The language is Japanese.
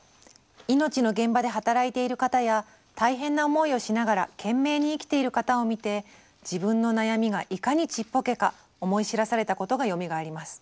「命の現場で働いている方や大変な思いをしながら懸命に生きている方を見て自分の悩みがいかにちっぽけか思い知らされたことがよみがえります。